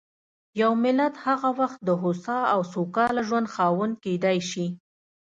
یو ملت هغه وخت د هوسا او سوکاله ژوند خاوند کېدای شي.